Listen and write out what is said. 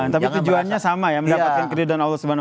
tapi tujuannya sama ya mendapatkan keriduan allah swt